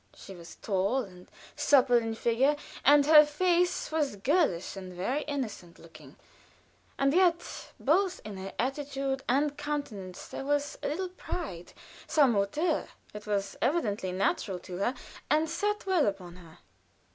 She was tall and supple in figure, and her face was girlish and very innocent looking; and yet, both in her attitude and countenance there was a little pride, some hauteur. It was evidently natural to her, and sat well upon her.